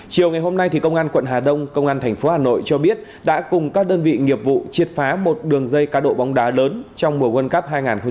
chiều ngày hôm nay công an quận hà đông công an tp hà nội cho biết đã cùng các đơn vị nghiệp vụ triệt phá một đường dây cá độ bóng đá lớn trong mùa world cup hai nghìn hai mươi ba